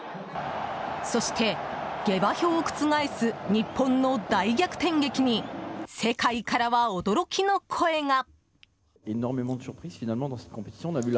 そして、下馬評を覆す日本の大逆転劇に世界からは驚きの声が。